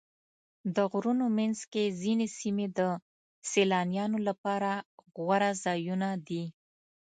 د غرونو منځ کې ځینې سیمې د سیلانیانو لپاره غوره ځایونه دي.